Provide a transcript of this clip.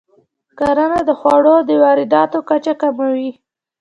کرنه د خوړو د وارداتو کچه کموي.